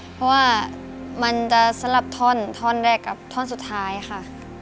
เพราะว่ามันจะสลับท่อนท่อนแรกกับท่อนสุดท้ายค่ะ